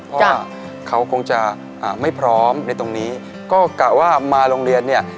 เพราะว่าเขาคงจะอ่าไม่พร้อมในตรงนี้ก็กะว่ามาโรงเรียนเนี่ย